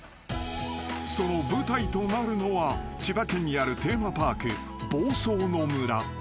［その舞台となるのは千葉県にあるテーマパーク房総のむら］